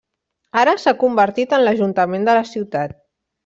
Ara s'ha convertit en l'ajuntament de la ciutat.